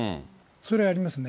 それはありますね。